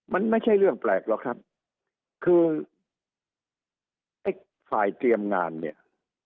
มันไม่ใช่เรื่องแปลกหรอกครับคือไอ้ฝ่ายเตรียมงานเนี่ย